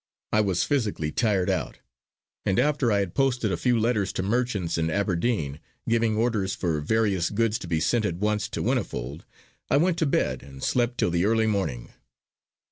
I was physically tired out, and after I had posted a few letters to merchants in Aberdeen, giving orders for various goods to be sent at once to Whinnyfold, I went to bed and slept till the early morning.